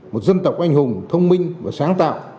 một dân tộc anh hùng thông minh và sáng tạo